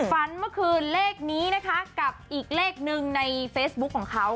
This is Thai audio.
เมื่อคืนเลขนี้นะคะกับอีกเลขหนึ่งในเฟซบุ๊คของเขา